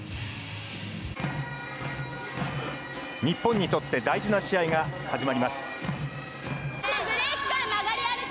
日本にとって大事な試合が始まります。